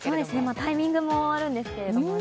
タイミングもあるんですけどね。